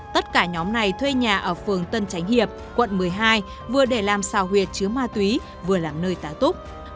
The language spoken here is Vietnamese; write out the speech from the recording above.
tất cả nhóm này thuê nhà ở phường tân chánh hiệp quận một mươi hai vừa để làm sao huyệt chứa ma túy vừa làm nơi tá túc